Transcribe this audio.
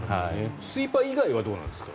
スイーパー以外はどうなんですか。